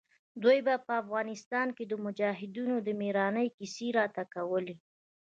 دوى به په افغانستان کښې د مجاهدينو د مېړانې کيسې راته کولې.